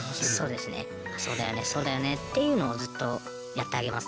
そうだよねっていうのをずっとやってあげますね。